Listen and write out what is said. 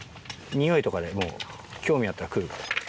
ニオイとかでもう興味あったら来るから。